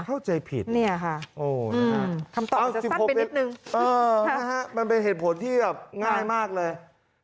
เข้าใจผิดโอ้นะคะคำตอบจะสั้นไปนิดหนึ่งฮ่ามันเป็นเหตุผลที่แบบง่ายมากเลย